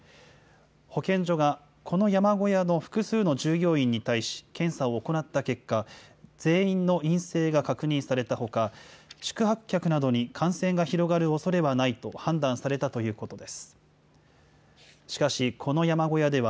保健所が、この山小屋の複数の従業員に対し検査を行った結果、全員の陰性が確認されたほか、宿泊客などに感染が広がるおそれはないと判断されたということです。